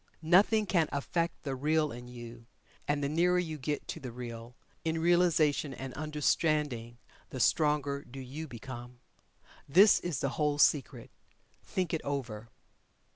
Nothing can affect the Real in you and the nearer you get to the Real, in realization and understanding, the stronger do you become. This is the whole secret. Think it over.